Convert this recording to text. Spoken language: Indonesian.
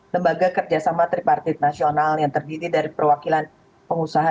lembaga kerjasama tripartit nasional yang terdiri dari perwakilan pengusaha